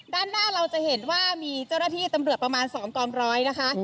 ด้านหน้าเราจะเห็นว่ามีเจ้าหน้าที่ตำรวจประมาณ๒กองร้อยนะคะ